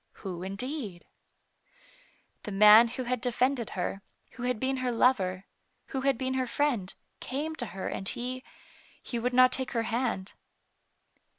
Who, indeed ? The man who had defended her, who had been her lover, who had been her friend, came to her and he — he would not take her hand.